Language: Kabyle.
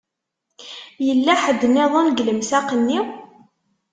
Yella ḥedd-iḍen deg lemsaq-nni?